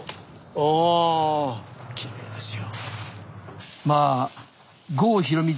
おおきれいですよ。